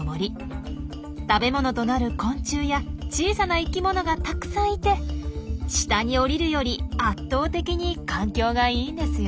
食べ物となる昆虫や小さな生きものがたくさんいて下に降りるより圧倒的に環境がいいんですよ。